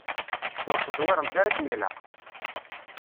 Ur teẓwiremt ara akken ilaq.